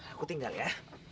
aku tinggal ya